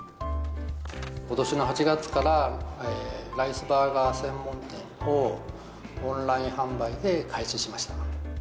ことしの８月から、ライスバーガー専門店をオンライン販売で開始しました。